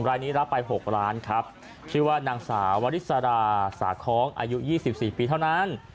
รายนี้รับไป๖ล้านครับชื่อว่านางสาววริสราสาค้องอายุ๒๔ปีเท่านั้น